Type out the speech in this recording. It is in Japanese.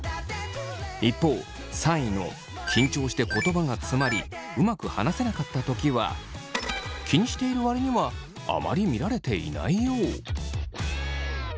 一方３位の緊張して言葉がつまりうまく話せなかったときは気にしている割にはあまり見られていないよう。